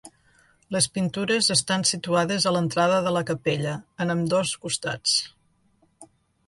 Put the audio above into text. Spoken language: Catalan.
Les pintures estan situades a l'entrada de la capella en ambdós costats.